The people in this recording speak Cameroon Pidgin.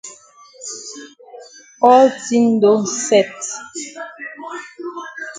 All tin don set.